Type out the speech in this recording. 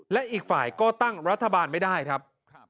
และอีกฝ่ายก็ตั้งรัฐบาลไม่ได้ครับ